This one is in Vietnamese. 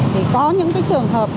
thì có những trường hợp